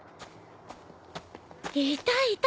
いたいた。